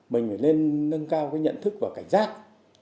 mình phải lên nâng cao cái nhận thức và cảnh giác